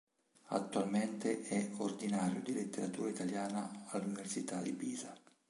Attualmente è Ordinario di letteratura italiana all'Università di Pisa.